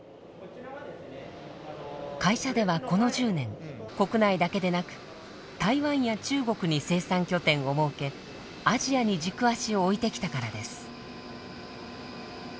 会社ではこの１０年国内だけでなく台湾や中国に生産拠点を設けアジアに軸足を置いてきたからです。